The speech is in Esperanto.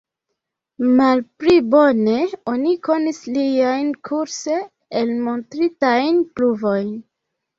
Malpli bone oni konis liajn kurse elmontritajn pruvojn.